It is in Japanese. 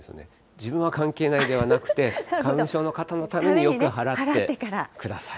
自分は関係ないではなくて、花粉症の方のためによく払ってください。